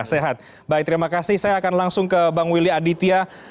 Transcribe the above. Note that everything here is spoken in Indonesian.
sehat baik terima kasih saya akan langsung ke bang willy aditya